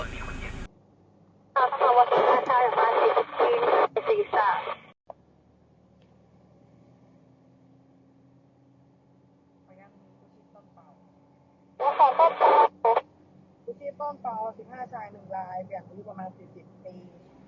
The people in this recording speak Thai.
ก็ยังมีคุณพี่ป้อมเปล่าคุณพี่ป้อมเปล่าสิบห้าชายหนึ่งรายเปลี่ยนรูปประมาณสี่สิบปี